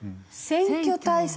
選挙対策？